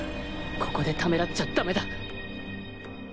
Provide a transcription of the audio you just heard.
ここでためらっちゃダメだ！